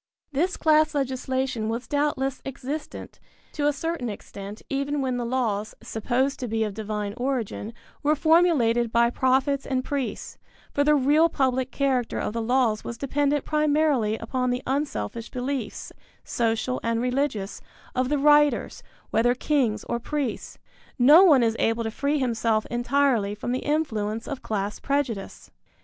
This class legislation was doubtless existent to a certain extent even when the laws, supposed to be of divine origin, were formulated by prophets and priests, for the real public character of the laws was dependent primarily upon the unselfish beliefs, social and religious, of the writers, whether kings or priests. No one is able to free himself entirely from the influence of class prejudice.